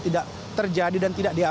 tidak terjadi dan tidak